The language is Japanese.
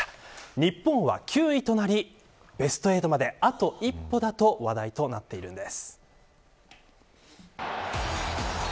日本は９位となりベスト８まで、あと一歩だと話題となっているんです。